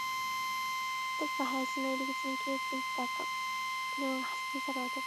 男が林の入り口に消えていったあと、車が走り去る音が聞こえた